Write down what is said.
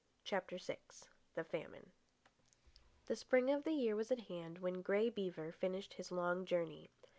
CHAPTER VI THE FAMINE The spring of the year was at hand when Grey Beaver finished his long journey.